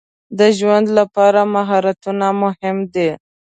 د ژوند لپاره مهارتونه مهم دي.